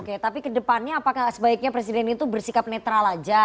oke tapi kedepannya apakah sebaiknya presiden itu bersikap netral aja